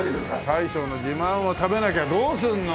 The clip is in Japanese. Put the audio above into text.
大将の自慢を食べなきゃどうするの？